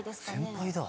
先輩だ。